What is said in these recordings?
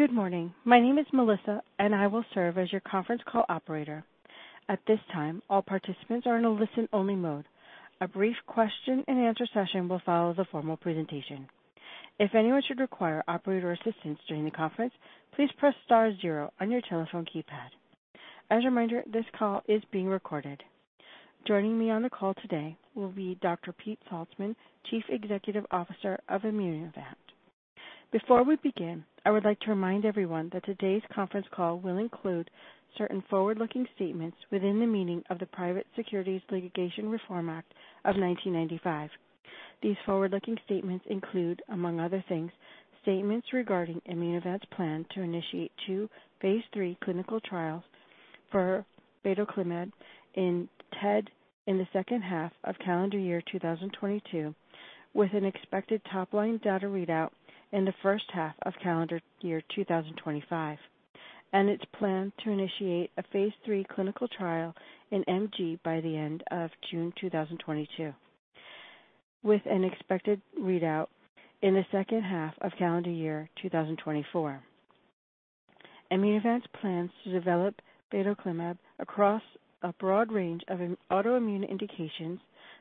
Good morning. My name is Melissa, and I will serve as your conference call operator. At this time, all participants are in a listen-only mode. A brief question and answer session will follow the formal presentation. If anyone should require operator assistance during the conference, please press star zero on your telephone keypad. As a reminder, this call is being recorded. Joining me on the call today will be Dr. Pete Salzmann, Chief Executive Officer of Immunovant. Before we begin, I would like to remind everyone that today's conference call will include certain forward-looking statements within the meaning of the Private Securities Litigation Reform Act of 1995. These forward-looking statements include, among other things, statements regarding Immunovant's plan to initiate two phase III clinical trials for batoclimab in TED in the H2 of calendar year 2022, with an expected top-line data readout in the H1 of calendar year 2025, and its plan to initiate a phase III clinical trial in MG by the end of June 2022, with an expected readout in the H2 of calendar year 2024. Immunovant's plans to develop batoclimab across a broad range of autoimmune indications,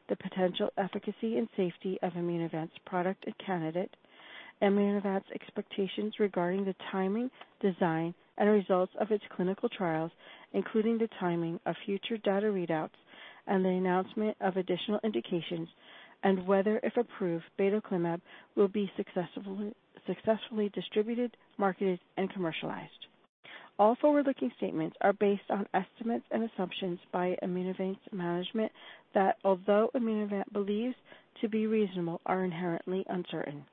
the potential efficacy and safety of Immunovant's product and candidate, Immunovant's expectations regarding the timing, design, and results of its clinical trials, including the timing of future data readouts and the announcement of additional indications, and whether, if approved, batoclimab will be successfully distributed, marketed, and commercialized. All forward-looking statements are based on estimates and assumptions by Immunovant's management that, although Immunovant believes to be reasonable, are inherently uncertain.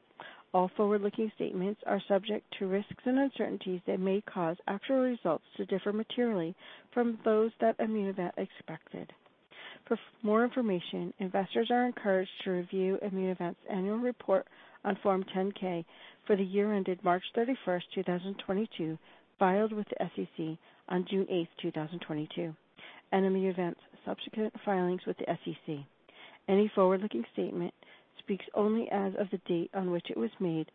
All forward-looking statements are subject to risks and uncertainties that may cause actual results to differ materially from those that Immunovant expected. For more information, investors are encouraged to review Immunovant's annual report on Form 10-K for the year ended March 31, 2022, filed with the SEC on June 8, 2022, and Immunovant's subsequent filings with the SEC. Any forward-looking statement speaks only as of the date on which it was made,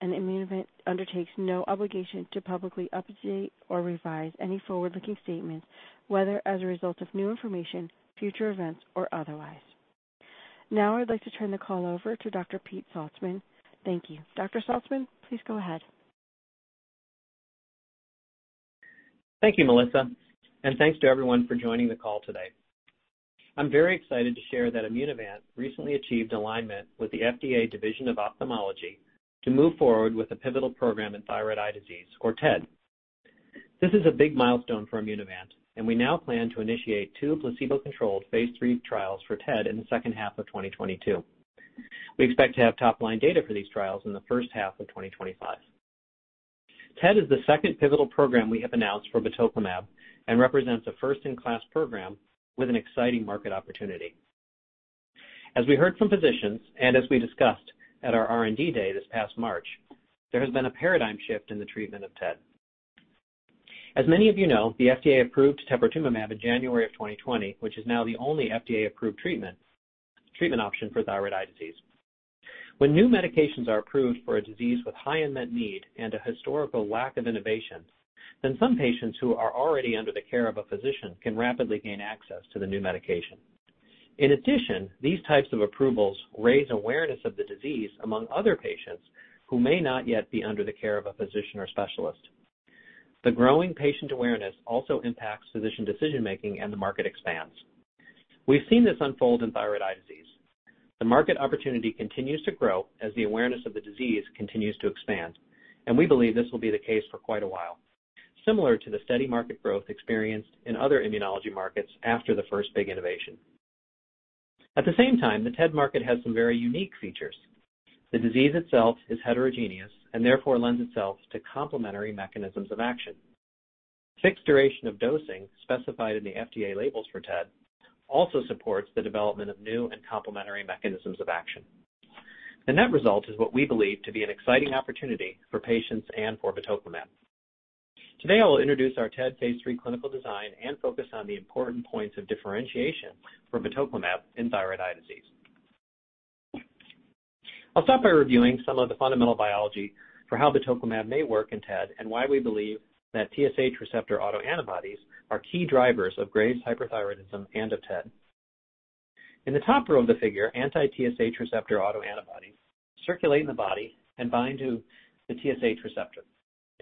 and Immunovant undertakes no obligation to publicly update or revise any forward-looking statements, whether as a result of new information, future events, or otherwise. Now I'd like to turn the call over to Dr. Pete Salzmann. Thank you. Dr. Salzmann, please go ahead. Thank you, Melissa, and thanks to everyone for joining the call today. I'm very excited to share that Immunovant recently achieved alignment with the FDA Division of Ophthalmology to move forward with a pivotal program in thyroid eye disease, or TED. This is a big milestone for Immunovant, and we now plan to initiate two placebo-controlled phase III trials for TED in the second half of 2022. We expect to have top-line data for these trials in the H1 of 2025. TED is the second pivotal program we have announced for batoclimab and represents a first-in-class program with an exciting market opportunity. As we heard from physicians and as we discussed at our R&D Day this past March, there has been a paradigm shift in the treatment of TED. As many of you know, the FDA approved teprotumumab in January 2020, which is now the only FDA-approved treatment option for thyroid eye disease. When new medications are approved for a disease with high unmet need and a historical lack of innovation, then some patients who are already under the care of a physician can rapidly gain access to the new medication. In addition, these types of approvals raise awareness of the disease among other patients who may not yet be under the care of a physician or specialist. The growing patient awareness also impacts physician decision-making, and the market expands. We've seen this unfold in thyroid eye disease. The market opportunity continues to grow as the awareness of the disease continues to expand, and we believe this will be the case for quite a while, similar to the steady market growth experienced in other immunology markets after the first big innovation. At the same time, the TED market has some very unique features. The disease itself is heterogeneous and therefore lends itself to complementary mechanisms of action. Fixed duration of dosing, specified in the FDA labels for TED, also supports the development of new and complementary mechanisms of action. The net result is what we believe to be an exciting opportunity for patients and for batoclimab. Today, I will introduce our TED phase III clinical design and focus on the important points of differentiation for batoclimab in Thyroid Eye Disease. I'll start by reviewing some of the fundamental biology for how batoclimab may work in TED and why we believe that TSH receptor autoantibodies are key drivers of Graves' hyperthyroidism and of TED. In the top row of the figure, anti-TSH receptor autoantibodies circulate in the body and bind to the TSH receptor.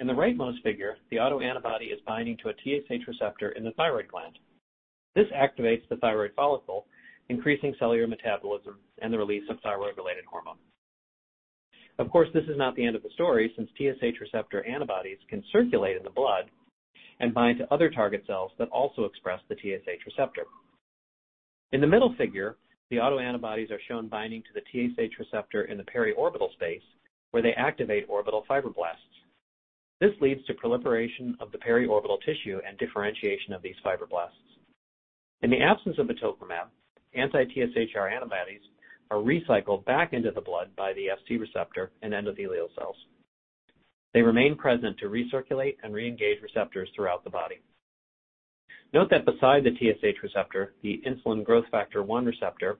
In the rightmost figure, the autoantibody is binding to a TSH receptor in the thyroid gland. This activates the thyroid follicle, increasing cellular metabolism and the release of thyroid-related hormone. Of course, this is not the end of the story, since TSH receptor antibodies can circulate in the blood and bind to other target cells that also express the TSH receptor. In the middle figure, the autoantibodies are shown binding to the TSH receptor in the periorbital space, where they activate orbital fibroblasts. This leads to proliferation of the periorbital tissue and differentiation of these fibroblasts. In the absence of batoclimab, anti-TSHR antibodies are recycled back into the blood by the Fc receptor and endothelial cells. They remain present to recirculate and reengage receptors throughout the body. Note that beside the TSH receptor, the insulin-like growth factor 1 receptor,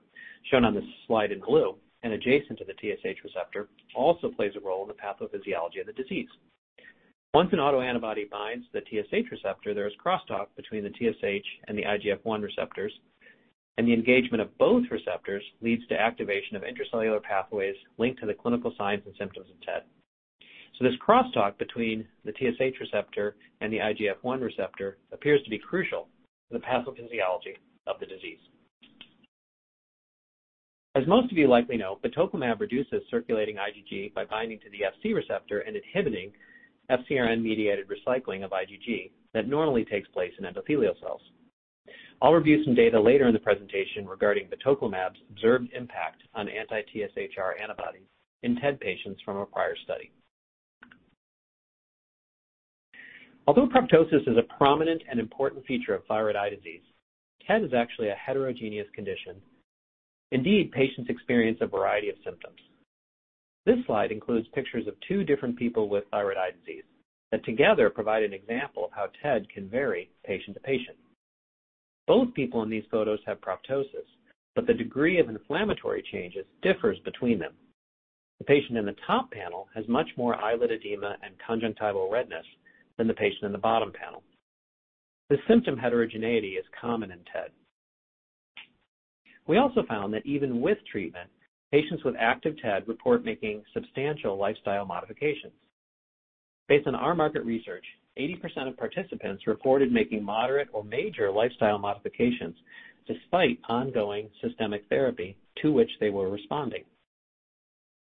shown on this slide in blue and adjacent to the TSH receptor, also plays a role in the pathophysiology of the disease. Once an autoantibody binds the TSH receptor, there is crosstalk between the TSH and the IGF-I receptors, and the engagement of both receptors leads to activation of intracellular pathways linked to the clinical signs and symptoms of TED. This crosstalk between the TSH receptor and the IGF-I receptor appears to be crucial to the pathophysiology of the disease. As most of you likely know, the batoclimab reduces circulating IgG by binding to the Fc receptor and inhibiting FcRn-mediated recycling of IgG that normally takes place in endothelial cells. I'll review some data later in the presentation regarding the batoclimab's observed impact on anti-TSHR antibodies in TED patients from a prior study. Although proptosis is a prominent and important feature of thyroid eye disease, TED is actually a heterogeneous condition. Indeed, patients experience a variety of symptoms. This slide includes pictures of two different people with thyroid eye disease that together provide an example of how TED can vary patient to patient. Both people in these photos have proptosis, but the degree of inflammatory changes differs between them. The patient in the top panel has much more eyelid edema and conjunctival redness than the patient in the bottom panel. This symptom heterogeneity is common in TED. We also found that even with treatment, patients with active TED report making substantial lifestyle modifications. Based on our market research, 80% of participants reported making moderate or major lifestyle modifications despite ongoing systemic therapy to which they were responding.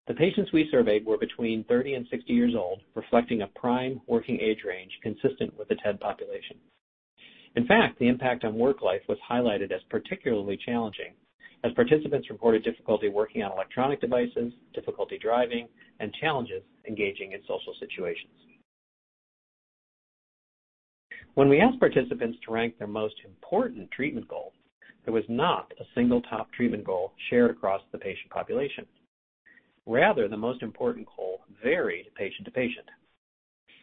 The patients we surveyed were between 30 and 60 years old, reflecting a prime working age range consistent with the TED population. In fact, the impact on work life was highlighted as particularly challenging as participants reported difficulty working on electronic devices, difficulty driving, and challenges engaging in social situations. When we asked participants to rank their most important treatment goal, there was not a single top treatment goal shared across the patient population. Rather, the most important goal varied patient to patient.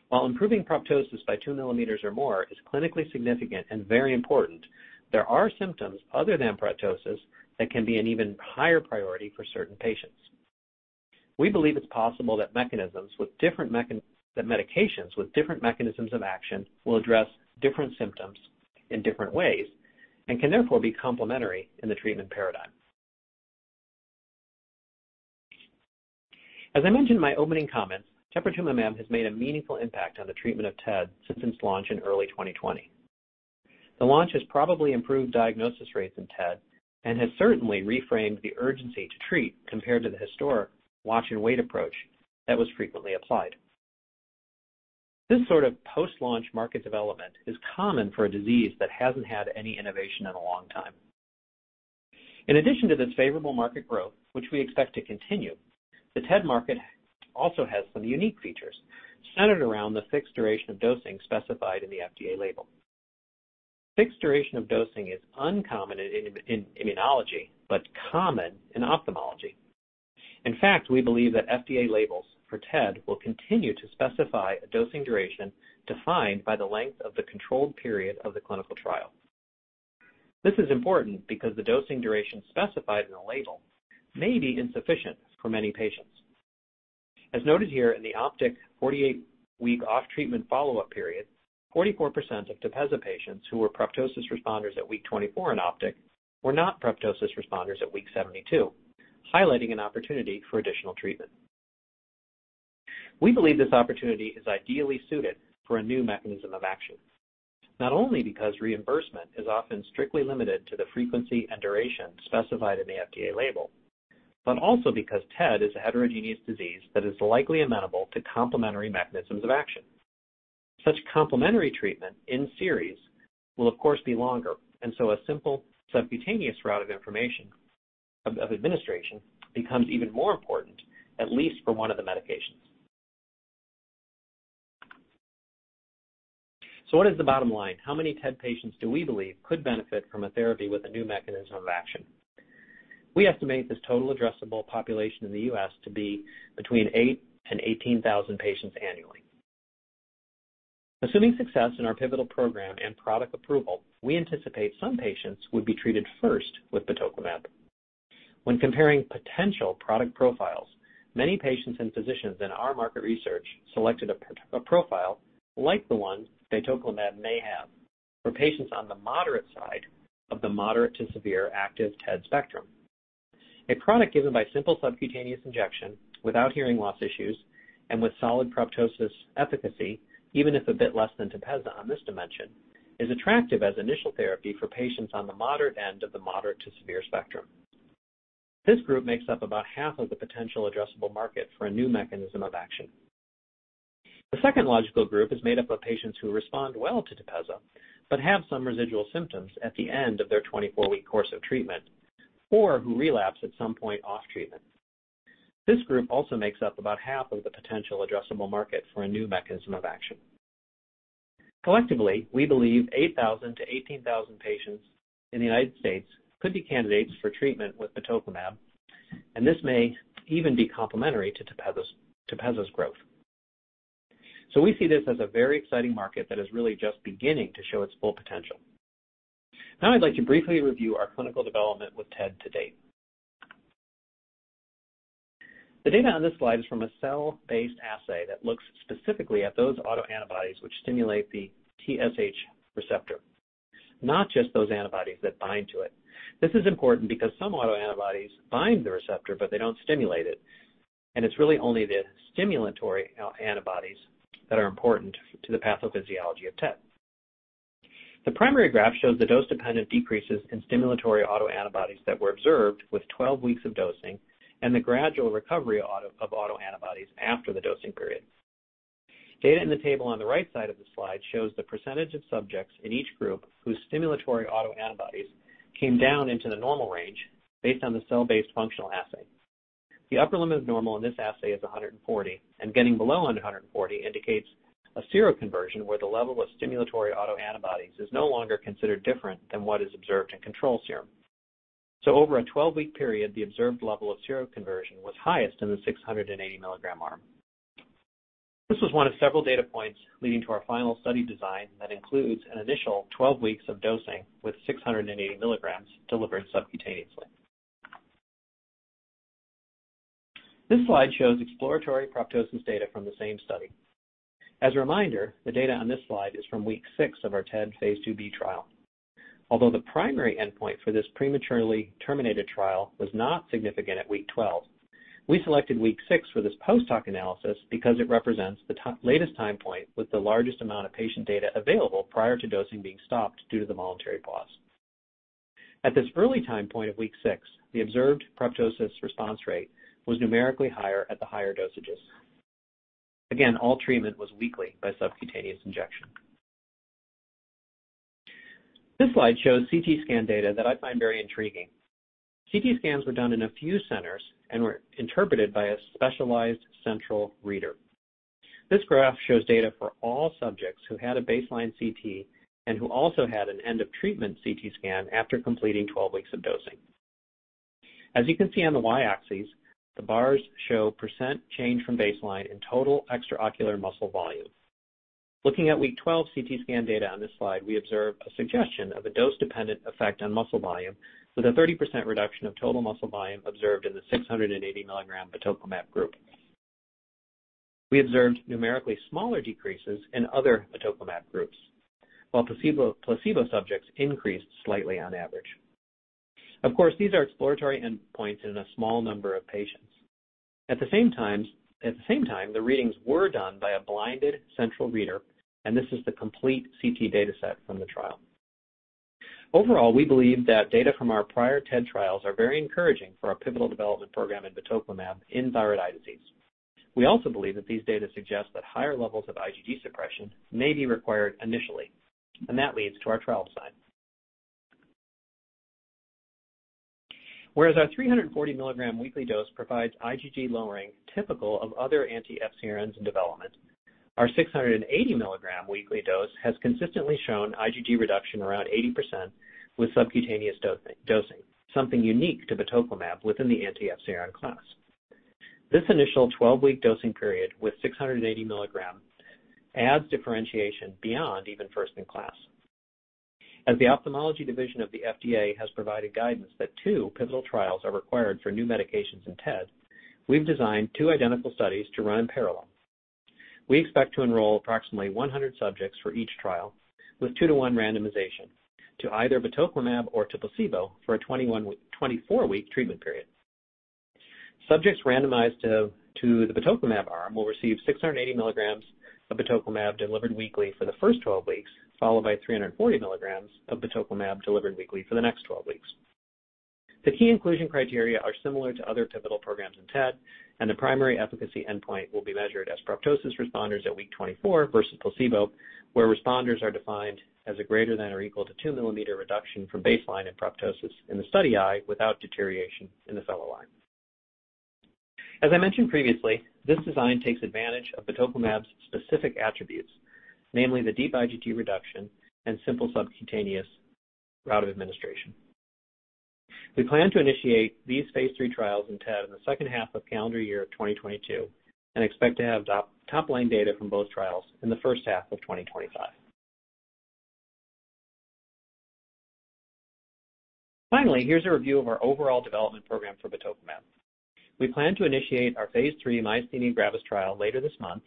While improving proptosis by two millimeters or more is clinically significant and very important, there are symptoms other than proptosis that can be an even higher priority for certain patients. We believe it's possible that medications with different mechanisms of action will address different symptoms in different ways and can therefore be complementary in the treatment paradigm. As I mentioned in my opening comments, teprotumumab has made a meaningful impact on the treatment of TED since its launch in early 2020. The launch has probably improved diagnosis rates in TED and has certainly reframed the urgency to treat compared to the historic watch and wait approach that was frequently applied. This sort of post-launch market development is common for a disease that hasn't had any innovation in a long time. In addition to this favorable market growth, which we expect to continue, the TED market also has some unique features centered around the fixed duration of dosing specified in the FDA label. Fixed duration of dosing is uncommon in immunology, but common in ophthalmology. In fact, we believe that FDA labels for TED will continue to specify a dosing duration defined by the length of the controlled period of the clinical trial. This is important because the dosing duration specified in the label may be insufficient for many patients. As noted here in the OPTIC 48-week off treatment follow-up period, 44% of Tepezza patients who were proptosis responders at week 24 in OPTIC were not proptosis responders at week 72, highlighting an opportunity for additional treatment. We believe this opportunity is ideally suited for a new mechanism of action. Not only because reimbursement is often strictly limited to the frequency and duration specified in the FDA label, but also because TED is a heterogeneous disease that is likely amenable to complementary mechanisms of action. Such complementary treatment in series will of course be longer, and a simple subcutaneous route of administration becomes even more important, at least for one of the medications. What is the bottom line? How many TED patients do we believe could benefit from a therapy with a new mechanism of action? We estimate this total addressable population in the U.S. to be between 8 and 18,000 patients annually. Assuming success in our pivotal program and product approval, we anticipate some patients would be treated first with batoclimab. When comparing potential product profiles, many patients and physicians in our market research selected a profile like the one batoclimab may have for patients on the moderate side of the moderate to severe active TED spectrum. A product given by simple subcutaneous injection without hearing loss issues and with solid proptosis efficacy, even if a bit less than Tepezza on this dimension, is attractive as initial therapy for patients on the moderate end of the moderate to severe spectrum. This group makes up about half of the potential addressable market for a new mechanism of action. The second logical group is made up of patients who respond well to Tepezza, but have some residual symptoms at the end of their 24-week course of treatment, or who relapse at some point off treatment. This group also makes up about half of the potential addressable market for a new mechanism of action. Collectively, we believe 8,000-18,000 patients in the United States could be candidates for treatment with batoclimab, and this may even be complementary to Tepezza's growth. We see this as a very exciting market that is really just beginning to show its full potential. Now, I'd like to briefly review our clinical development with TED to date. The data on this slide is from a cell-based assay that looks specifically at those autoantibodies which stimulate the TSH receptor, not just those antibodies that bind to it. This is important because some autoantibodies bind the receptor, but they don't stimulate it, and it's really only the stimulatory antibodies that are important to the pathophysiology of TED. The primary graph shows the dose-dependent decreases in stimulatory autoantibodies that were observed with 12 weeks of dosing and the gradual recovery of autoantibodies after the dosing period. Data in the table on the right side of the slide shows the percentage of subjects in each group whose stimulatory autoantibodies came down into the normal range based on the cell-based functional assay. The upper limit of normal in this assay is 140, and getting below 140 indicates a seroconversion where the level of stimulatory autoantibodies is no longer considered different than what is observed in control serum. Over a 12-week period, the observed level of seroconversion was highest in the 680 mg arm. This was one of several data points leading to our final study design that includes an initial 12 weeks of dosing with 680 mg delivered subcutaneously. This slide shows exploratory proptosis data from the same study. As a reminder, the data on this slide is from week six of our TED Phase 2b trial. Although the primary endpoint for this prematurely terminated trial was not significant at week 12, we selected week six for this post-hoc analysis because it represents the latest time point with the largest amount of patient data available prior to dosing being stopped due to the voluntary pause. At this early time point of week six, the observed proptosis response rate was numerically higher at the higher dosages. Again, all treatment was weekly by subcutaneous injection. This slide shows CT scan data that I find very intriguing. CT scans were done in a few centers and were interpreted by a specialized central reader. This graph shows data for all subjects who had a baseline CT and who also had an end of treatment CT scan after completing 12 weeks of dosing. As you can see on the Y-axis, the bars show percent change from baseline in total extraocular muscle volume. Looking at week 12 CT scan data on this slide, we observe a suggestion of a dose-dependent effect on muscle volume with a 30% reduction of total muscle volume observed in the 680 mg batoclimab group. We observed numerically smaller decreases in other batoclimab groups, while placebo subjects increased slightly on average. Of course, these are exploratory endpoints in a small number of patients. At the same time, the readings were done by a blinded central reader, and this is the complete CT data set from the trial. Overall, we believe that data from our prior TED trials are very encouraging for our pivotal development program in batoclimab in thyroid eye disease. We also believe that these data suggest that higher levels of IgG suppression may be required initially, and that leads to our trial design. Whereas our 340 mg weekly dose provides IgG lowering typical of other anti-FcRNs in development, our 680 mg weekly dose has consistently shown IgG reduction around 80% with subcutaneous dosing, something unique to batoclimab within the anti-FcRn class. This initial 12-week dosing period with 680 milligram adds differentiation beyond even first in class. As the Division of Ophthalmology of the FDA has provided guidance that two pivotal trials are required for new medications in TED, we've designed two identical studies to run parallel. We expect to enroll approximately 100 subjects for each trial with two to one randomization to either batoclimab or to placebo for a 24-week treatment period. Subjects randomized to the batoclimab arm will receive 680 mg of batoclimab delivered weekly for the first 12 weeks, followed by 340 milligrams of batoclimab delivered weekly for the next 12 weeks. The key inclusion criteria are similar to other pivotal programs in TED, and the primary efficacy endpoint will be measured as proptosis responders at week 24 versus placebo, where responders are defined as a greater than or equal to 2 millimeter reduction from baseline and proptosis in the study eye without deterioration in the fellow eye. As I mentioned previously, this design takes advantage of batoclimab's specific attributes, namely the deep IgG reduction and simple subcutaneous route of administration. We plan to initiate these phase III trials in TED in the H2 of calendar year of 2022 and expect to have top-line data from both trials in the H1 of 2025. Finally, here's a review of our overall development program for batoclimab. We plan to initiate our phase III myasthenia gravis trial later this month.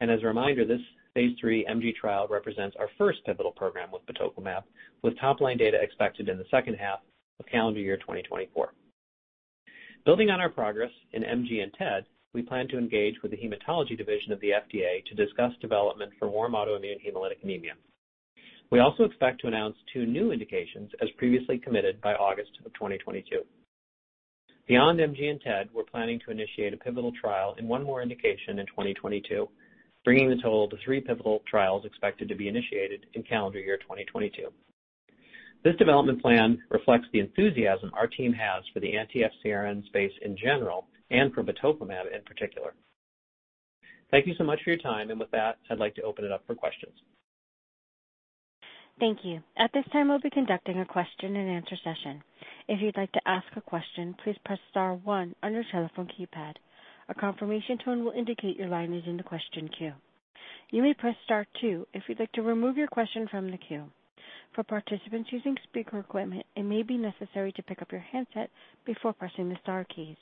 As a reminder, this phase III MG trial represents our first pivotal program with batoclimab, with top line data expected in the H2 of calendar year 2024. Building on our progress in MG and TED, we plan to engage with the hematology division of the FDA to discuss development for warm autoimmune hemolytic anemia. We also expect to announce two new indications as previously committed by August of 2022. Beyond MG and TED, we're planning to initiate a pivotal trial in one more indication in 2022, bringing the total to three pivotal trials expected to be initiated in calendar year 2022. This development plan reflects the enthusiasm our team has for the anti-FcRN space in general and for batoclimab in particular. Thank you so much for your time, and with that, I'd like to open it up for questions. Thank you. At this time, we'll be conducting a question and answer session. If you'd like to ask a question, please press star one on your telephone keypad. A confirmation tone will indicate your line is in the question queue. You may press star two if you'd like to remove your question from the queue. For participants using speaker equipment, it may be necessary to pick up your handset before pressing the star keys.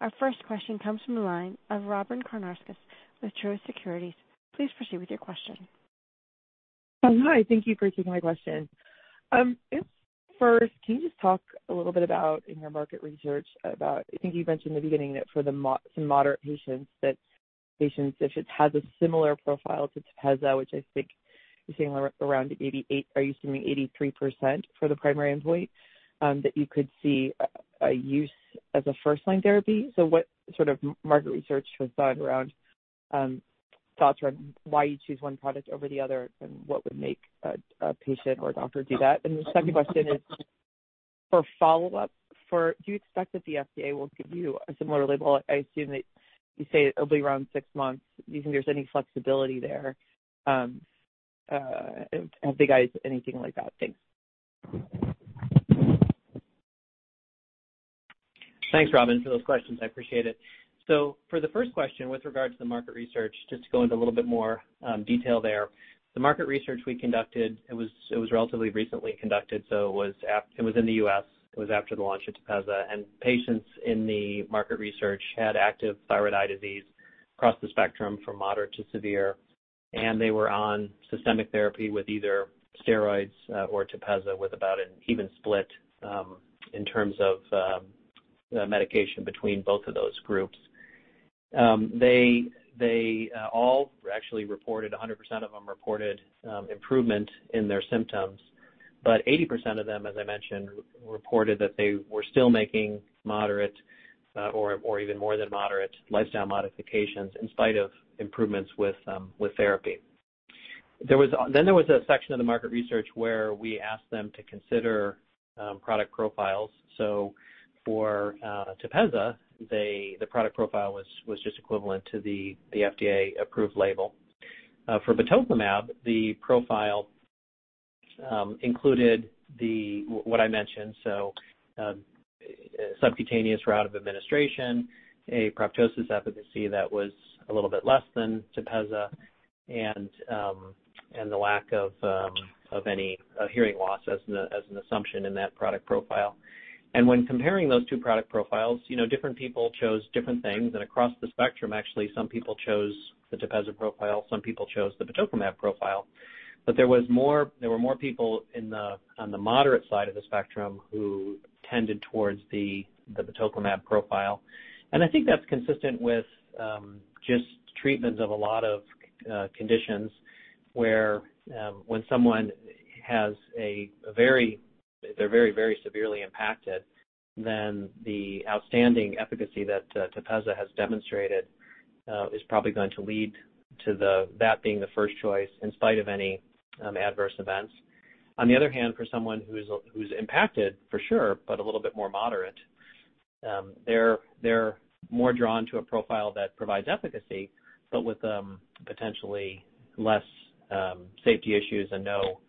Our first question comes from the line of Robyn Karnauskas with Truist Securities. Please proceed with your question. Hi, thank you for taking my question. First, can you just talk a little bit about in your market research about, I think you mentioned in the beginning that for the moderate patients, if it has a similar profile to Tepezza, which I think you're saying around 88. Are you assuming 83% for the primary endpoint, that you could see a use as a first line therapy? What sort of market research was done around thoughts around why you choose one product over the other, and what would make a patient or a doctor do that? The second question is, for follow-up, do you expect that the FDA will give you a similar label? I assume that you say it'll be around six months. Do you think there's any flexibility there, have they got anything like that? Thanks. Thanks, Robin, for those questions. I appreciate it. For the first question with regards to the market research, just to go into a little bit more detail there. The market research we conducted, it was relatively recently conducted. It was in the U.S., it was after the launch of Tepezza, and patients in the market research had active thyroid eye disease across the spectrum from moderate to severe. They were on systemic therapy with either steroids or Tepezza with about an even split in terms of medication between both of those groups. They all actually reported 100% of them reported improvement in their symptoms, but 80% of them, as I mentioned, reported that they were still making moderate or even more than moderate lifestyle modifications in spite of improvements with therapy. There was a section of the market research where we asked them to consider product profiles. For Tepezza, the product profile was just equivalent to the FDA-approved label. For batoclimab, the profile included what I mentioned, so subcutaneous route of administration, a proptosis efficacy that was a little bit less than Tepezza and the lack of any hearing loss as an assumption in that product profile. When comparing those two product profiles, you know, different people chose different things. Across the spectrum, actually, some people chose the Tepezza profile, some people chose the batoclimab profile, but there were more people on the moderate side of the spectrum who tended towards the batoclimab profile. I think that's consistent with just treatments of a lot of conditions where when someone has... They're very, very severely impacted, then the outstanding efficacy that Tepezza has demonstrated is probably going to lead to that being the first choice in spite of any adverse events. On the other hand, for someone who's impacted for sure, but a little bit more moderate, they're more drawn to a profile that provides efficacy, but with potentially less safety issues and no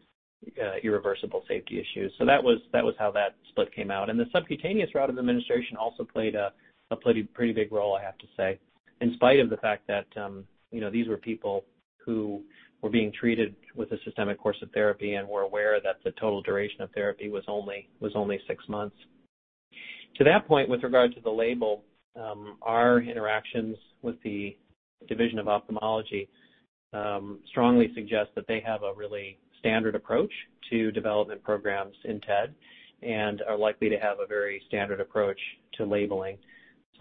irreversible safety issues. That was how that split came out. The subcutaneous route of administration also played a pretty big role, I have to say, in spite of the fact that you know, these were people who were being treated with a systemic course of therapy and were aware that the total duration of therapy was only six months. To that point, with regard to the label, our interactions with the Division of Ophthalmology strongly suggest that they have a really standard approach to development programs in TED and are likely to have a very standard approach to labeling.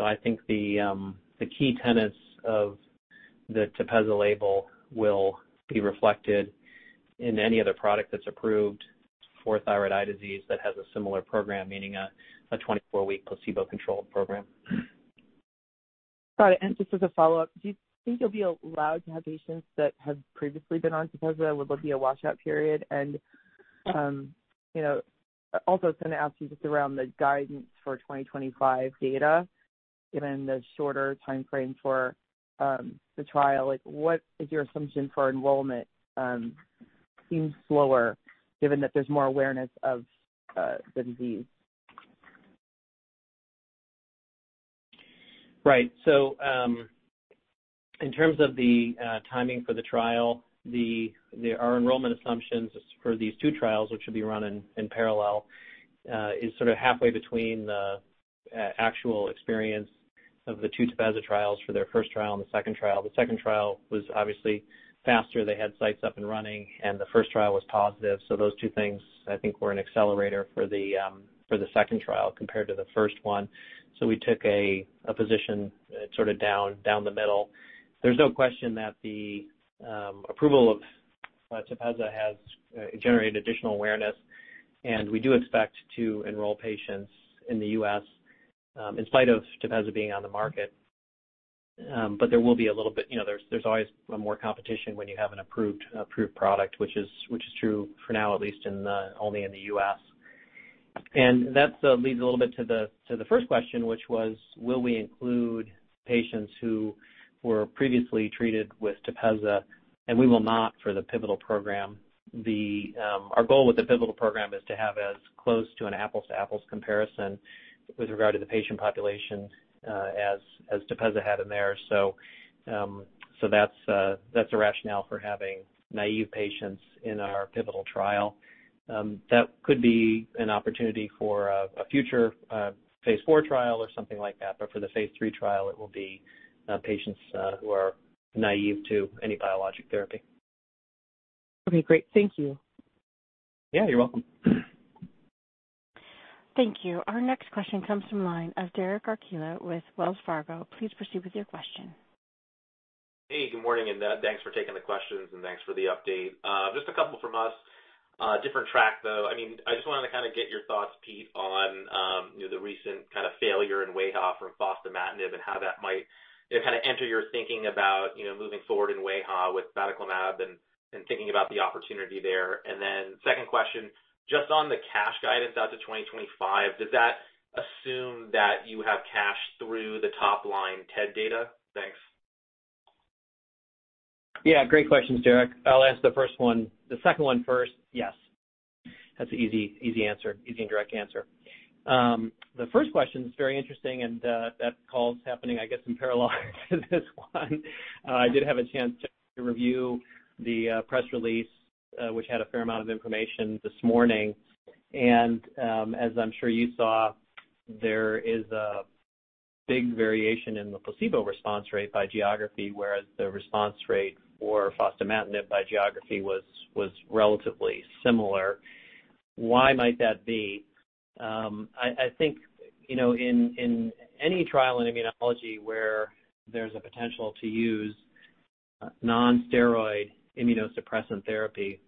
I think the key tenets of the Tepezza label will be reflected in any other product that's approved for Thyroid Eye Disease that has a similar program, meaning a 24-week placebo-controlled program. Got it. Just as a follow-up, do you think you'll be allowed to have patients that have previously been on Tepezza? Would there be a washout period? You know, also I was gonna ask you just around the guidance for 2025 data, given the shorter timeframe for the trial, like what is your assumption for enrollment being slower given that there's more awareness of the disease? Right. In terms of the timing for the trial, our enrollment assumptions for these two trials, which will be run in parallel, is sort of halfway between the actual experience of the two Tepezza trials for their first trial and the second trial. The second trial was obviously faster. They had sites up and running, and the first trial was positive. Those two things I think were an accelerator for the second trial compared to the first one. We took a position sort of down the middle. There's no question that the approval of Tepezza has generated additional awareness, and we do expect to enroll patients in the U.S., in spite of Tepezza being on the market. There will be a little bit, you know, there's always more competition when you have an approved product, which is true for now, at least only in the U.S. That leads a little bit to the first question, which was will we include patients who were previously treated with Tepezza? We will not for the pivotal program. Our goal with the pivotal program is to have as close to an apples to apples comparison with regard to the patient population as Tepezza had in there. That's the rationale for having naive patients in our pivotal trial. That could be an opportunity for a future phase IV trial or something like that. For the Phase III trial it will be patients who are naive to any biologic therapy. Okay, great. Thank you. Yeah, you're welcome. Thank you. Our next question comes from the line of Derek Archila with Wells Fargo. Please proceed with your question. Hey, good morning, and thanks for taking the questions and thanks for the update. Just a couple from us. Different track, though. I mean, I just wanted to kinda get your thoughts, Pete, on you know, the recent kinda failure in wAIHA from fostamatinib and how that might you know, kinda enter your thinking about you know, moving forward in wAIHA with batoclimab and thinking about the opportunity there. Then second question, just on the cash guidance out to 2025, does that assume that you have cash through the top line TED data? Thanks. Yeah, great questions, Derek. I'll ask the first one. The second one first, yes. That's an easy and direct answer. The first question is very interesting and that call's happening, I guess, in parallel to this one. I did have a chance to review the press release, which had a fair amount of information this morning. As I'm sure you saw, there is a big variation in the placebo response rate by geography, whereas the response rate for fostamatinib by geography was relatively similar. Why might that be? I think, you know, in any trial in immunology where there's a potential to use non-steroid immunosuppressant therapy,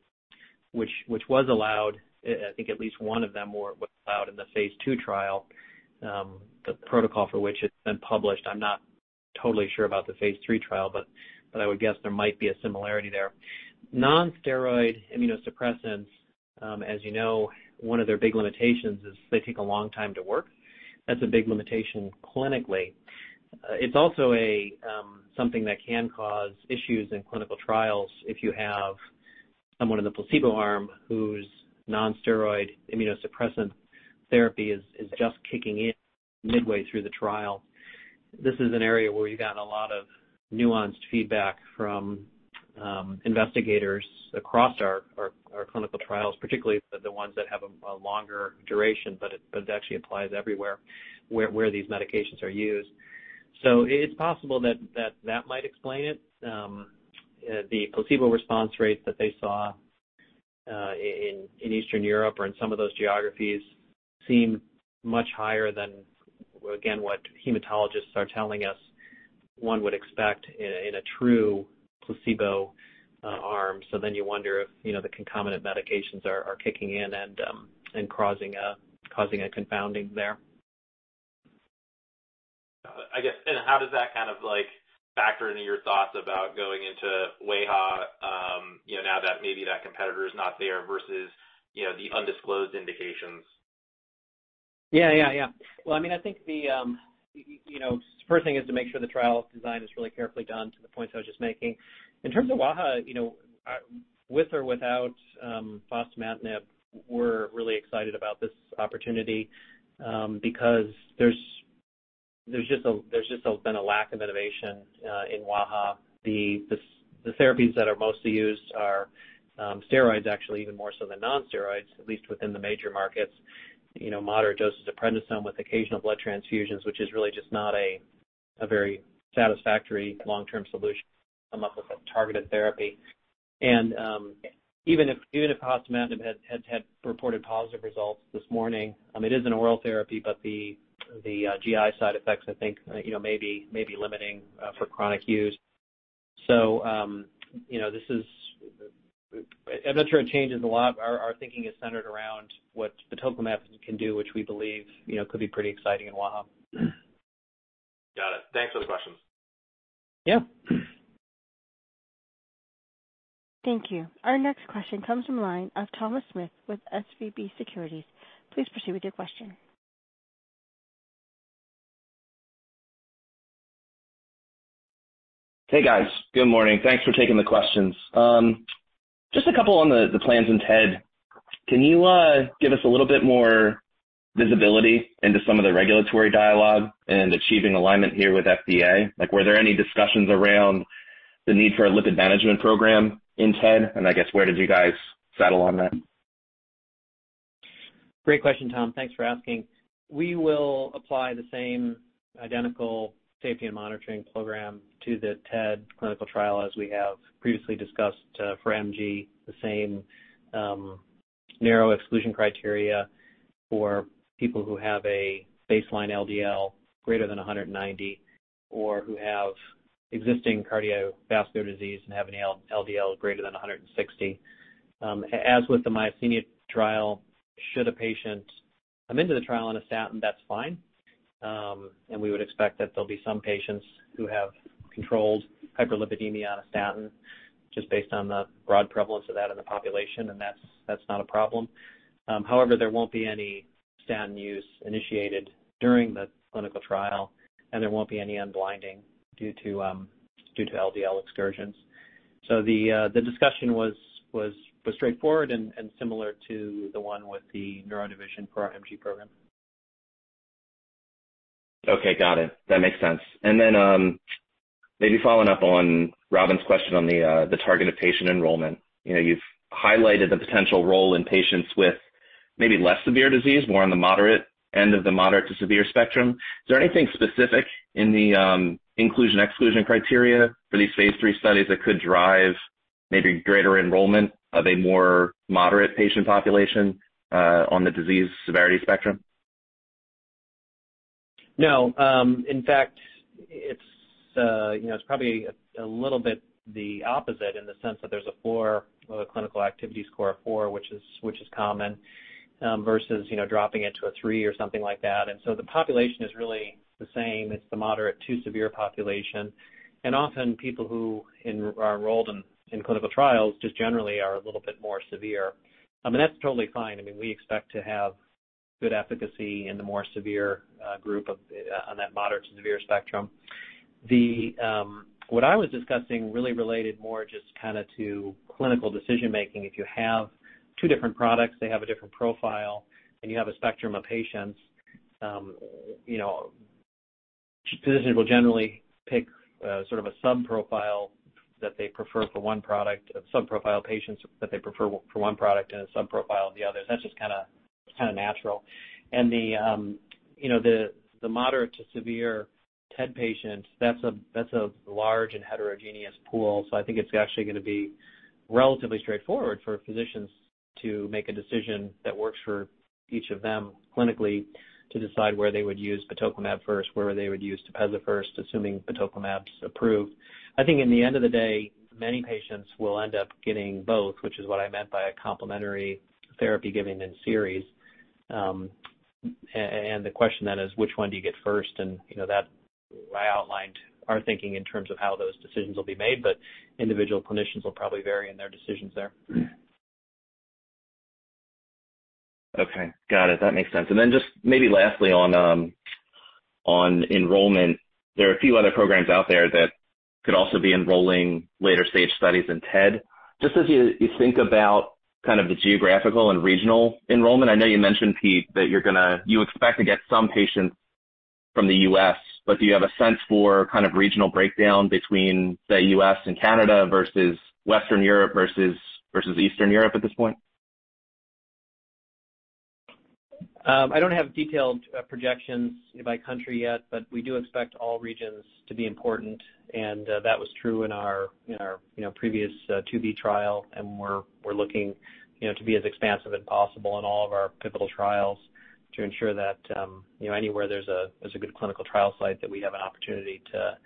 which was allowed, I think at least one of them was allowed in the phase II trial, the protocol for which it's been published. I'm not totally sure about the phase III trial, but I would guess there might be a similarity there. Non-steroid immunosuppressants, as you know, one of their big limitations is they take a long time to work. That's a big limitation clinically. It's also a something that can cause issues in clinical trials if you have someone in the placebo arm whose non-steroid immunosuppressant therapy is just kicking in midway through the trial. This is an area where we've gotten a lot of nuanced feedback from investigators across our clinical trials, particularly the ones that have a longer duration, but it actually applies everywhere where these medications are used. It's possible that that might explain it. The placebo response rates that they saw in Eastern Europe or in some of those geographies seem much higher than, again, what hematologists are telling us one would expect in a true placebo arm. You wonder if, you know, the concomitant medications are kicking in and causing a confounding there. I guess, how does that kind of like factor into your thoughts about going into wAIHA, you know, now that maybe that competitor is not there versus, you know, the undisclosed indications? Yeah, yeah. Well, I mean, I think you know, first thing is to make sure the trial design is really carefully done to the points I was just making. In terms of wAIHA, you know, with or without fostamatinib, we're really excited about this opportunity because there's just been a lack of innovation in wAIHA. The therapies that are mostly used are steroids actually, even more so than non-steroids, at least within the major markets. You know, moderate doses of prednisone with occasional blood transfusions, which is really just not a very satisfactory long-term solution to come up with a targeted therapy. Even if fostamatinib had reported positive results this morning, it is an oral therapy, but the GI side effects I think you know may be limiting for chronic use. This is. I'm not sure it changes a lot. Our thinking is centered around what batoclimab can do, which we believe you know could be pretty exciting in wAIHA. Got it. Thanks for the questions. Yeah. Thank you. Our next question comes from the line of Thomas Smith with SVB Securities. Please proceed with your question. Hey, guys. Good morning. Thanks for taking the questions. Just a couple on the plans in TED. Can you give us a little bit more visibility into some of the regulatory dialogue and achieving alignment here with FDA? Like, were there any discussions around the need for a lipid management program in TED? And I guess where did you guys settle on that? Great question, Tom. Thanks for asking. We will apply the same identical safety and monitoring program to the TED clinical trial as we have previously discussed for MG. The same narrow exclusion criteria for people who have a baseline LDL greater than 190 or who have existing cardiovascular disease and have an LDL greater than 160. As with the myasthenia trial, should a patient come into the trial on a statin, that's fine. We would expect that there'll be some patients who have controlled hyperlipidemia on a statin just based on the broad prevalence of that in the population, and that's not a problem. However, there won't be any statin use initiated during the clinical trial, and there won't be any unblinding due to LDL excursions. The discussion was straightforward and similar to the one with the neuro division for our MG program. Okay. Got it. That makes sense. Maybe following up on Robyn's question on the target of patient enrollment. You know, you've highlighted the potential role in patients with maybe less severe disease, more on the moderate end of the moderate to severe spectrum. Is there anything specific in the inclusion/exclusion criteria for these phase III studies that could drive maybe greater enrollment of a more moderate patient population on the disease severity spectrum? No. In fact, it's, you know, it's probably a little bit the opposite in the sense that there's a four or a Clinical Activity Score of 4, which is common, versus, you know, dropping it to a three or something like that. The population is really the same. It's the moderate to severe population. Often people who are enrolled in clinical trials just generally are a little bit more severe. I mean, that's totally fine. I mean, we expect to have good efficacy in the more severe group of on that moderate to severe spectrum. What I was discussing really related more just kinda to clinical decision-making. If you have two different products, they have a different profile, and you have a spectrum of patients, you know, physicians will generally pick, sort of a subprofile that they prefer for one product, subprofile patients that they prefer for one product and a subprofile of the other. That's just kinda natural. The moderate to severe TED patient, that's a large and heterogeneous pool. I think it's actually gonna be relatively straightforward for physicians to make a decision that works for each of them clinically to decide where they would use batoclimab first, where they would use Tepezza first, assuming batoclimab's approved. I think in the end of the day, many patients will end up getting both, which is what I meant by a complementary therapy given in series. The question then is which one do you get first? You know, that I outlined our thinking in terms of how those decisions will be made, but individual clinicians will probably vary in their decisions there. Okay. Got it. That makes sense. Just maybe lastly on enrollment. There are a few other programs out there that could also be enrolling later-stage studies in TED. Just as you think about kind of the geographical and regional enrollment, I know you mentioned, Pete, that you expect to get some patients from the U.S., but do you have a sense for kind of regional breakdown between, say, U.S. and Canada versus Western Europe versus Eastern Europe at this point? I don't have detailed projections by country yet, but we do expect all regions to be important. That was true in our previous 2 B trial. We're looking, you know, to be as expansive as possible in all of our pivotal trials to ensure that, you know, anywhere there's a good clinical trial site that we have an opportunity to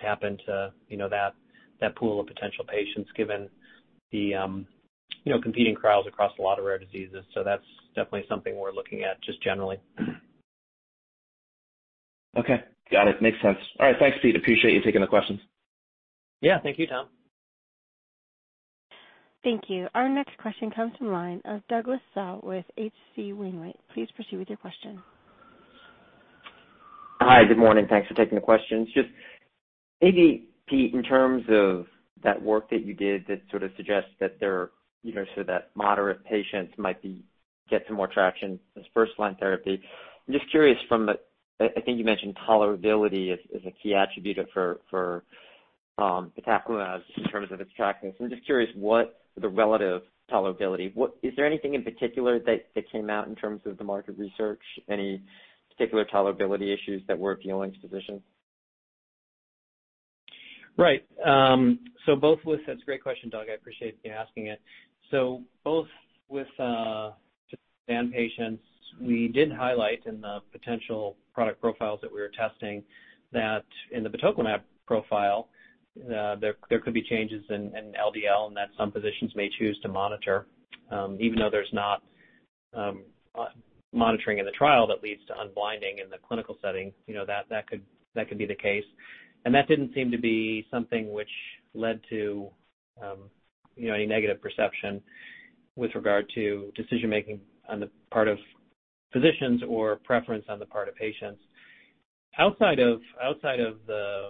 tap into, you know, that pool of potential patients given the, you know, competing trials across a lot of rare diseases. That's definitely something we're looking at just generally. Okay. Got it. Makes sense. All right. Thanks, Pete. Appreciate you taking the questions. Yeah. Thank you, Tom. Thank you. Our next question comes from the line of Douglas Tsao with H.C. Wainwright. Please proceed with your question. Hi. Good morning. Thanks for taking the questions. Just maybe, Pete, in terms of that work that you did that sort of suggests that there moderate patients might get some more traction as first-line therapy. I'm just curious from the. I think you mentioned tolerability as a key attribute of for batoclimab in terms of its attractiveness. I'm just curious what the relative tolerability. Is there anything in particular that came out in terms of the market research, any particular tolerability issues that were appealing to physicians? Right. That's a great question, Douglas, I appreciate you asking it. Both with statin patients, we did highlight in the potential product profiles that we were testing that in the batoclimab profile, there could be changes in LDL, and that some physicians may choose to monitor. Even though there's not monitoring in the trial that leads to unblinding in the clinical setting, you know, that could be the case. That didn't seem to be something which led to you know, any negative perception with regard to decision-making on the part of physicians or preference on the part of patients. Outside of the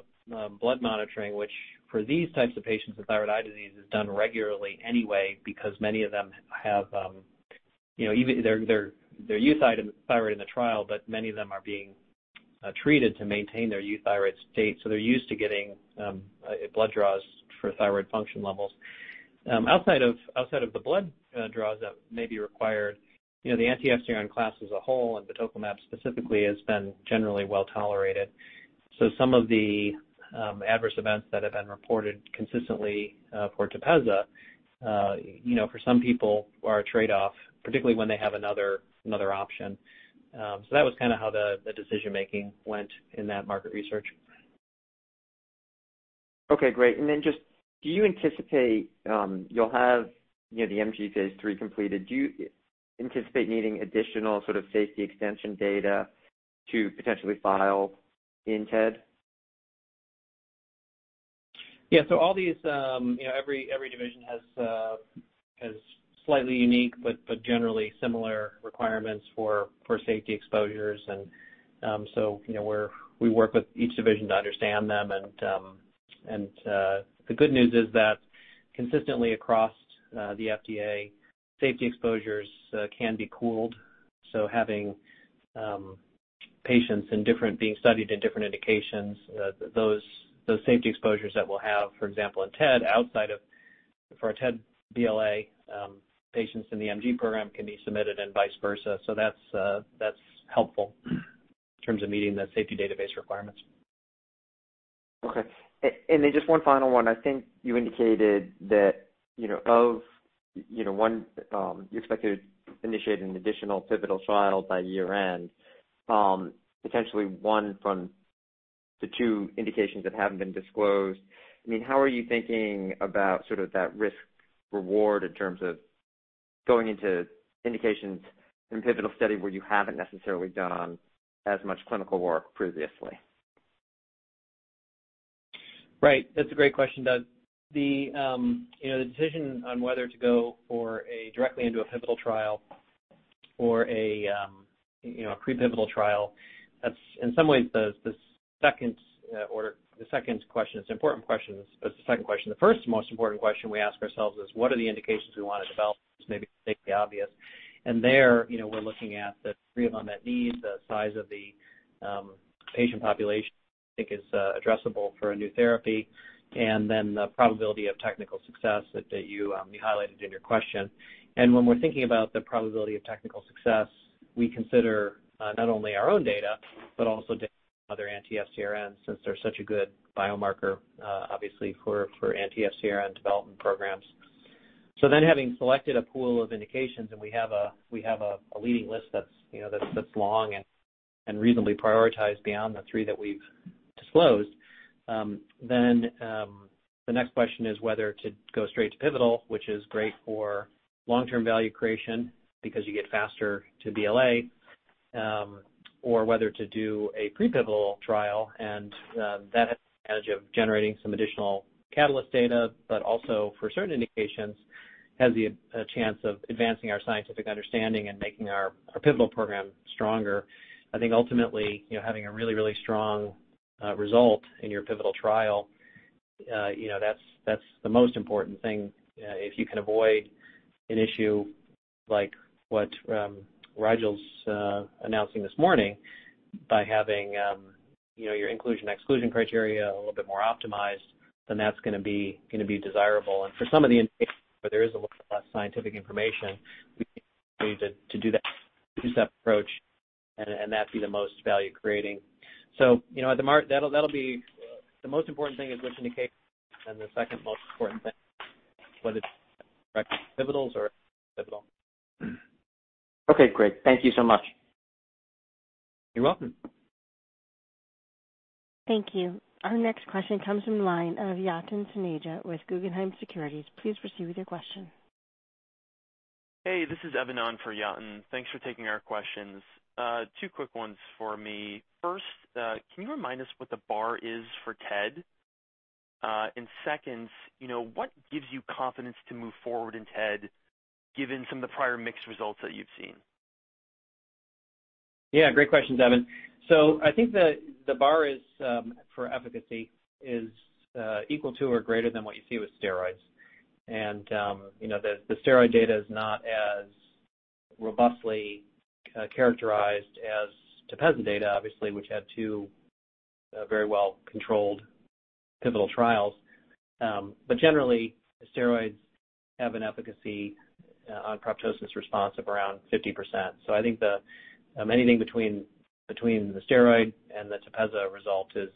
blood monitoring, which for these types of patients with thyroid eye disease is done regularly anyway because many of them have, you know, even their euthyroid in the trial, but many of them are being treated to maintain their euthyroid state, so they're used to getting blood draws for thyroid function levels. Outside of the blood draws that may be required, you know, the anti-FcRN class as a whole, and batoclimab specifically has been generally well-tolerated. Some of the adverse events that have been reported consistently for Tepezza, you know, for some people are a trade-off, particularly when they have another option. That was kinda how the decision-making went in that market research. Okay, great. Just do you anticipate you'll have, you know, the MG phase III completed? Do you anticipate needing additional sort of safety extension data to potentially file in TED? Yeah. All these, you know, every division has slightly unique but generally similar requirements for safety exposures. You know, we work with each division to understand them and the good news is that consistently across the FDA safety exposures can be pooled. Having patients being studied in different indications, those safety exposures that we'll have, for example, in TED outside of for a TED BLA, patients in the MG program can be submitted and vice versa. That's helpful in terms of meeting the safety database requirements. Okay. Then just one final one. I think you indicated that you know of, you know, one, you expect to initiate an additional pivotal trial by year-end, potentially one from the two indications that haven't been disclosed. I mean, how are you thinking about sort of that risk reward in terms of going into indications in pivotal study where you haven't necessarily done as much clinical work previously? Right. That's a great question, Douglas. The decision on whether to go directly into a pivotal trial or a pre-pivotal trial, that's in some ways the second order. The second question. It's an important question, but it's the second question. The first most important question we ask ourselves is what are the indications we want to develop, which may be to state the obvious. There, you know, we're looking at the three areas of unmet needs, the size of the patient population we think is addressable for a new therapy, and then the probability of technical success that you highlighted in your question. When we're thinking about the probability of technical success, we consider not only our own data, but also data other anti-FcRNs, since they're such a good biomarker, obviously for anti-FcRN development programs. Having selected a pool of indications and we have a leading list that's long and reasonably prioritized beyond the three that we've disclosed, then the next question is whether to go straight to pivotal, which is great for long-term value creation because you get faster to BLA, or whether to do a pre-pivotal trial. That has the advantage of generating some additional catalyst data, but also for certain indications, has the chance of advancing our scientific understanding and making our pivotal program stronger. I think ultimately, you know, having a really, really strong result in your pivotal trial, you know, that's the most important thing. If you can avoid an issue like what Rigel’s announcing this morning by having, you know, your inclusion/exclusion criteria a little bit more optimized, then that's gonna be desirable. For some of the indications, where there is a little less scientific information, we need to do that two-step approach and that be the most value creating. You know, that'll be the most important thing is which indication, and the second most important thing, whether it's pivotals or pivotal. Okay, great. Thank you so much. You're welcome. Thank you. Our next question comes from the line of Yatin Suneja with Guggenheim Securities. Please proceed with your question. Hey, this is Evan on for Yatin. Thanks for taking our questions. Two quick ones for me. First, can you remind us what the bar is for TED? Second, you know, what gives you confidence to move forward in TED, given some of the prior mixed results that you've seen? Yeah, great question, Evan. I think the bar for efficacy is equal to or greater than what you see with steroids. You know, the steroid data is not as robustly characterized as Tepezza data, obviously, which had two very well-controlled pivotal trials. Generally, the steroids have an efficacy on proptosis response of around 50%. I think anything between the steroid and the Tepezza result is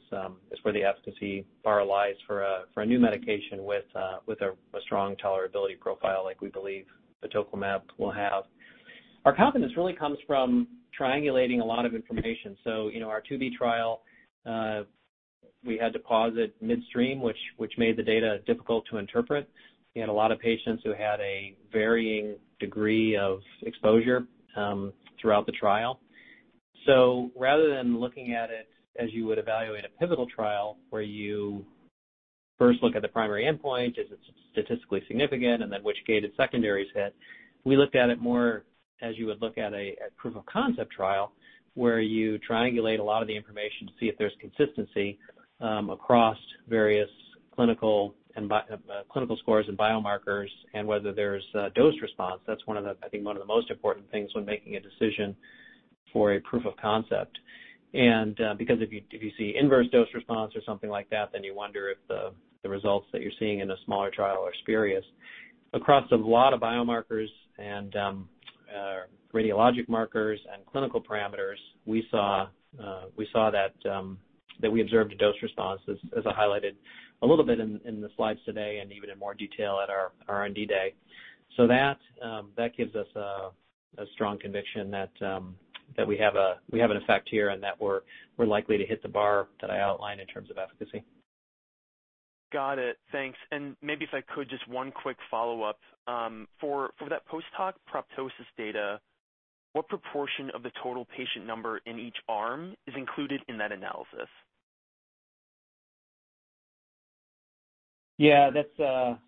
where the efficacy bar lies for a new medication with a strong tolerability profile like we believe batoclimab will have. Our confidence really comes from triangulating a lot of information. You know, our phase IIb trial we had to pause it midstream, which made the data difficult to interpret. We had a lot of patients who had a varying degree of exposure throughout the trial. Rather than looking at it as you would evaluate a pivotal trial where you first look at the primary endpoint, is it statistically significant, and then which gated secondaries hit, we looked at it more as you would look at a proof of concept trial, where you triangulate a lot of the information to see if there's consistency across various clinical scores and biomarkers and whether there's a dose response. That's one of the, I think, one of the most important things when making a decision for a proof of concept. Because if you see inverse dose response or something like that, then you wonder if the results that you're seeing in a smaller trial are spurious. Across a lot of biomarkers and radiologic markers and clinical parameters, we saw that we observed a dose response as I highlighted a little bit in the slides today and even in more detail at our R&D day. That gives us a strong conviction that we have an effect here and that we're likely to hit the bar that I outlined in terms of efficacy. Got it. Thanks. Maybe if I could just one quick follow-up. For that post-hoc proptosis data, what proportion of the total patient number in each arm is included in that analysis? That's a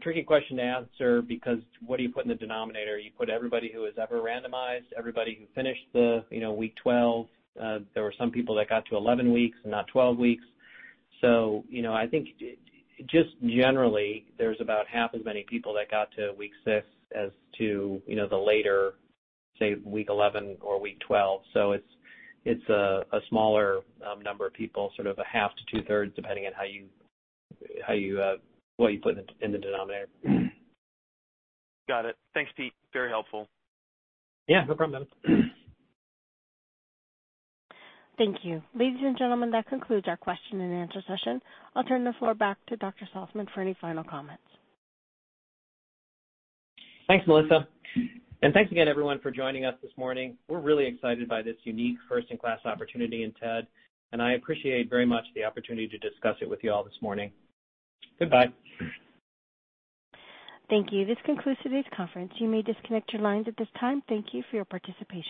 tricky question to answer because what do you put in the denominator? You put everybody who is ever randomized, everybody who finished, you know, week 12. There were some people that got to 11 weeks and not 12 weeks. You know, I think just generally, there's about half as many people that got to week six as to, you know, the later, say, week 11 or week 12. It's a smaller number of people, sort of half to two-thirds, depending on how you what you put in the denominator. Got it. Thanks, Pete. Very helpful. Yeah, no problem, Evan. Thank you. Ladies and gentlemen, that concludes our question and answer session. I'll turn the floor back to Dr. Salzmann for any final comments. Thanks, Melissa. Thanks again everyone for joining us this morning. We're really excited by this unique first-in-class opportunity in TED, and I appreciate very much the opportunity to discuss it with you all this morning. Goodbye. Thank you. This concludes today's conference. You may disconnect your lines at this time. Thank you for your participation.